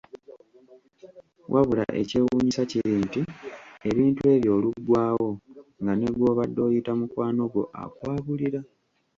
Wabula ekyewuunyisa kiri nti ebintu ebyo oluggwaawo nga ne gw'obadde oyita mukwano gwo akwabulira.